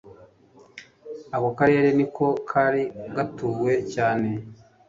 Ako karere niko kari gatuwe cyane,